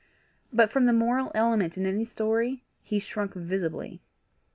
But from the moral element in any story he shrunk visibly.